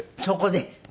そこで？